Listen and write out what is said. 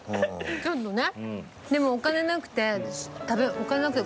ちょっとね。